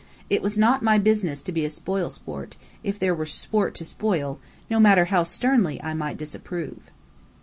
It was not my business to be a spoil sport, if there were sport to spoil, no matter how sternly I might disapprove.